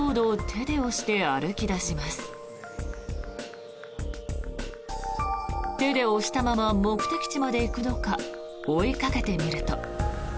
手で押したまま目的地まで行くのか追いかけてみると。